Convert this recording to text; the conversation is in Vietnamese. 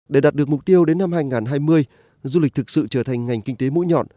để đạt được mục tiêu đến năm hai nghìn hai mươi du lịch thực sự trở thành ngành kinh tế mũi nhọn